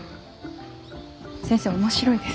先生面白いですね。